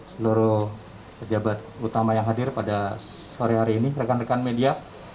seluruh pejabat utama yang hadir pada sore hari ini rekan rekan media